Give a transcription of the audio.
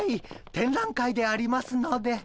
展覧会でありますので。